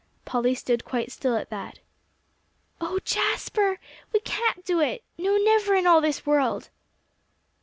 Polly stood quite still at that. "Oh, Jasper, we can't do it no, never in all this world."